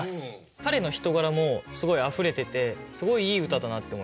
彼の人柄もすごいあふれててすごいいい歌だなって思いました。